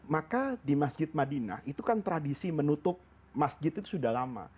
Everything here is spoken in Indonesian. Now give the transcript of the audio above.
maka di masjid madinah itu kan tradisi menutup masjid itu sudah lama